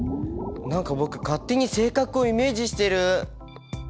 何か僕勝手に性格をイメージしてる！